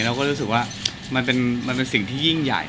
เราก็รู้สึกว่ามันเป็นสิ่งที่ยิ่งใหญ่